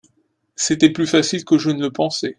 C'était plus facile que je ne le pensais.